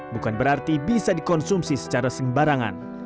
bukan berarti bisa dikonsumsi secara sembarangan